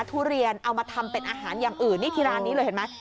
ทุเรียนเอามาทำเป็นอาหารอย่างอื่นนี่ที่ร้านนี้เลยเห็นไหม